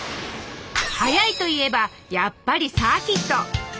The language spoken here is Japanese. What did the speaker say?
「速」といえばやっぱりサーキット。